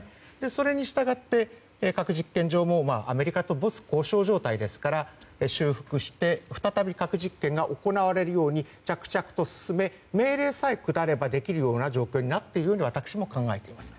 それに従って核実験場もアメリカと没交渉状態ですから修復して再び核実験が行われるように着々と進め、命令さえ下ればできるような状況になっていると私も考えています。